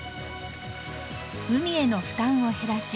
海への負担を減らし